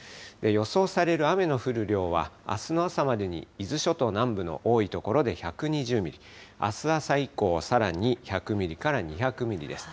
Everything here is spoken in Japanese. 予想される雨の降る量は、あすの朝までに伊豆諸島南部の多い所で１２０ミリ、あす朝以降、さらに１００ミリから２００ミリです。